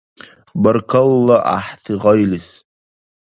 Баркалла гӀяхӀти гъайлис.